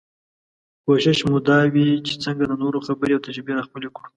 کوشش مو دا وي چې څنګه د نورو خبرې او تجربې راخپلې کړو.